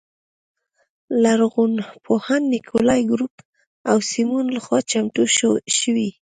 لرغونپوهانو نیکولای ګروب او سیمون لخوا چمتو شوې.